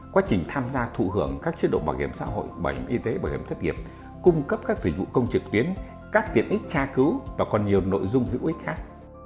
quá trình tham gia thụ hưởng các chế độ bảo hiểm xã hội bảo hiểm y tế bảo hiểm thất nghiệp cung cấp các dịch vụ công trực tuyến các tiện ích tra cứu và còn nhiều nội dung hữu ích khác